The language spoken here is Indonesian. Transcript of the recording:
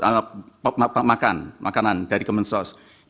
makanan dari bansos dia juga bisa memiliki penggunaan